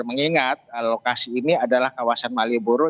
mengingat lokasi ini adalah kawasan malioboro